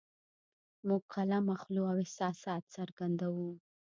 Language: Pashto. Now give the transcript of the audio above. موږ قلم اخلو او احساسات څرګندوو